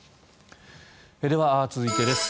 では、続いてです。